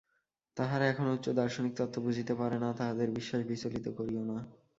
তাহারা এখনও উচ্চ দার্শনিক তত্ত্ব বুঝিতে পারে না, তাহাদের বিশ্বাস বিচলিত করিও না।